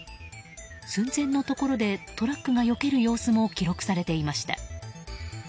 寸前のところでトラックがよける様子も記録されていました。